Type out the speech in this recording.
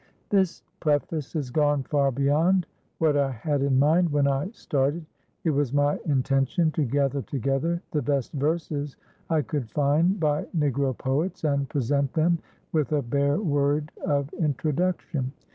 This preface has gone far beyond what I had in mind when I started. It was my intention to gather together the best verses I could find by Negro poets and present them with a bare word of introduction.